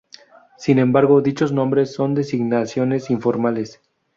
Sin embargo dichos nombres son designaciones informales.